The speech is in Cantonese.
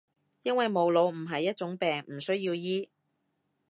因為冇腦唔係一種病，唔需要醫